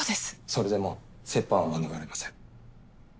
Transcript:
それでも折半は免れません。